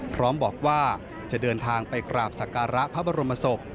พร้อมบอกว่าจะเดินทางไปกราบสักการะพระบรมศพ